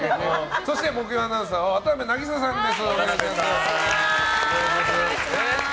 そして木曜アナウンサーは渡邊渚さんです。